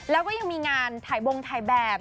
แล้วก็ยังมีงานถ่ายบงถ่ายแบบ